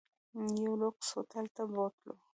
یو لوکس هوټل ته بوتلو.